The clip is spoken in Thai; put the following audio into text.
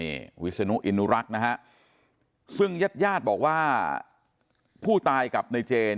นี่วิศนุอินุรักษ์นะฮะซึ่งญาติญาติบอกว่าผู้ตายกับในเจน